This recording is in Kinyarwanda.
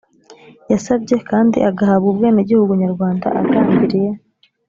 yasabye kandi agahabwa ubwenegihugu nyarwanda agambiriye